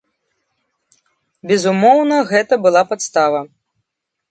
Безумоўна, гэта была падстава.